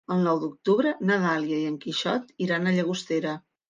El nou d'octubre na Dàlia i en Quixot iran a Llagostera.